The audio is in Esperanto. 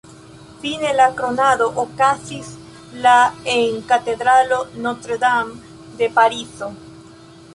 Fine, la kronado okazis la en la katedralo Notre-Dame de Parizo.